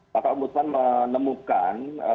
maka ombudsman menemukan